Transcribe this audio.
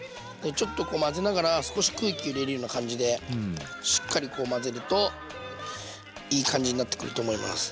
ちょっとこう混ぜながら少し空気入れるような感じでしっかり混ぜるといい感じになってくると思います。